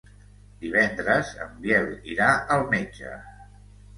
Divendres en Biel irà al metge.